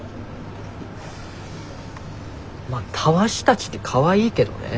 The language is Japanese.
まあたわしたちってかわいいけどね。